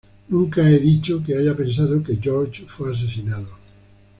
Nunca he dicho que haya pensado que George fue asesinado.